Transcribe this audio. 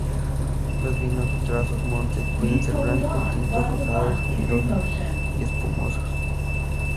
Los vinos de Trás-os-Montes pueden ser blancos, tintos, rosados, generosos y espumosos.